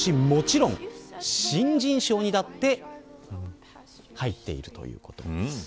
もちろん新人賞にだって入っているということです。